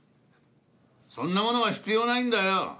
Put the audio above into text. そんなものは必要ないんだよ。